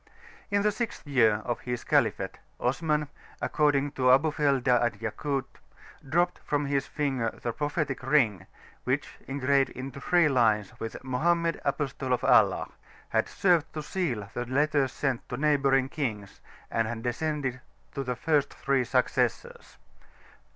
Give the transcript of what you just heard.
In the sixth year of his caliphate, Osman, according to Abulfeda and Yakut, dropped from his finger the propheti[c] ring which, engraved in three lines with "Mohammed Apostle (of) Allah," had served to seal the letters sent to neighbouring kings, and had descended to the first three successors.